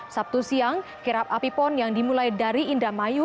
sabtu siang kirab api pon yang dimulai dari indamayu